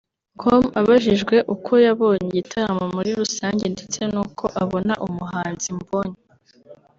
com abajijwe uko yabonye igitaramo muri rusange ndetse n’uko abona umuhanzi Mbonyi